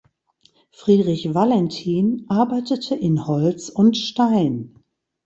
Friedrich Valentin arbeitete in Holz und Stein.